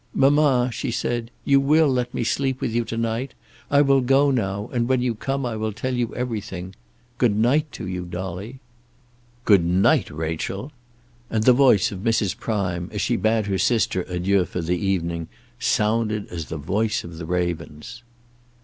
"Mamma," she said, "you will let me sleep with you to night. I will go now, and when you come I will tell you everything. Good night to you, Dolly." "Good night, Rachel;" and the voice of Mrs. Prime, as she bade her sister adieu for the evening, sounded as the voice of the ravens.